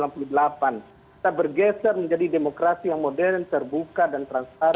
kita bergeser menjadi demokrasi yang modern terbuka dan transparan